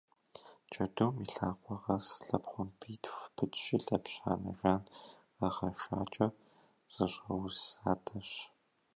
Джэдум и лъакъуэ къэс лъэпхъуамбитху пытщи лъэбжьанэ жан къэгъэшакӏэ зэщӏэузэдащ.